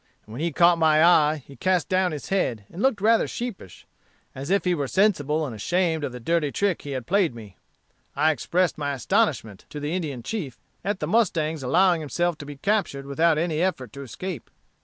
And when he caught my eye he cast down his head and looked rather sheepish, as if he were sensible and ashamed of the dirty trick he had played me. I expressed my astonishment, to the Indian chief, at the mustang's allowing himself to be captured without any effort to escape.